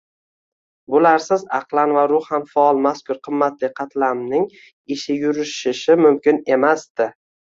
bularsiz aqlan va ruhan faol mazkur qimmatli qatlamning ishi yurishishi mumkin emasdi...